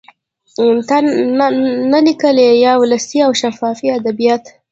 نا لیکلي یا ولسي او شفاهي ادبیات